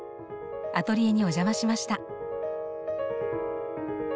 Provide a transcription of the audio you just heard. アトリエにお邪魔しました。